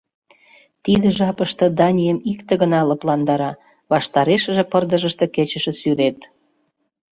Тиде жапыште Данийым икте гына лыпландара — ваштарешыже пырдыжыште кечыше сӱрет.